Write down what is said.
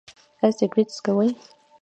ایا سګرټ څکوئ؟